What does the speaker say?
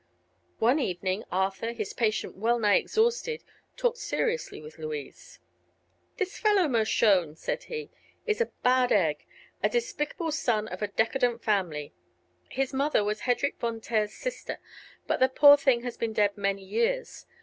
One evening Arthur, his patience well nigh exhausted, talked seriously with Louise. "This fellow Mershone," said he, "is a bad egg, a despicable son of a decadent family. His mother was Hedrik Von Taer's sister, but the poor thing has been dead many years.